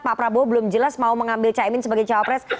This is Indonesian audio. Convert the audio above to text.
pak prabowo belum jelas mau mengambil caimin sebagai cawapres